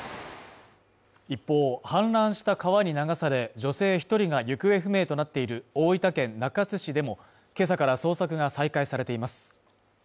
一方、氾濫した川に流され、女性１人が行方不明となっている大分県中津市でも今朝から捜索が再開されています。